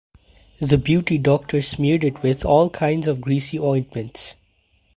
The beauty doctors smeared it with all kinds of greasy ointments.